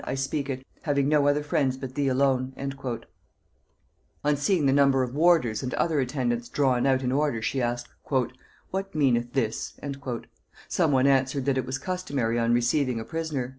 I speak it, having no other friends but thee alone." On seeing a number of warders and other attendants drawn out in order, she asked, "What meaneth this?" Some one answered that it was customary on receiving a prisoner.